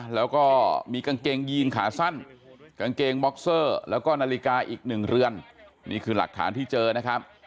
แล้วก็มีกางเกงยีนขาสั้นกางเกงบ็อกเซอร์แล้วก็นาฬิกาอีกหนึ่งเรือนนี่คือหลักฐานที่เจอนะครับ